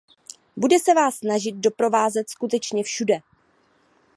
Bude se vás snažit doprovázet skutečně všude.